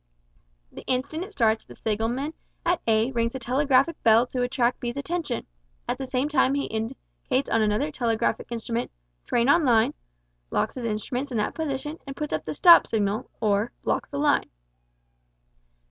The instant it starts the signalman at A rings a telegraph bell to attract B's attention, at the same time he indicates on another telegraphic instrument "Train on line," locks his instruments in that position, and puts up the "stop" signal, or, blocks the line.